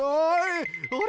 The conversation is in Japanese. あれ？